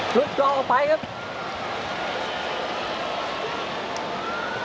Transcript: หลุดกลอออกไปครับ